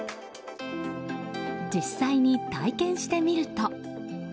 実際に体験してみると。